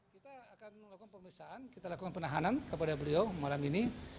kita akan melakukan pemeriksaan kita lakukan penahanan kepada beliau malam ini